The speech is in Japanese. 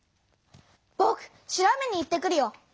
ぼく調べに行ってくるよ！